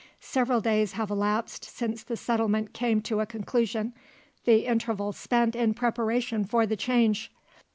Several days have elapsed since the settlement came to a conclusion the interval spent in preparation for the change.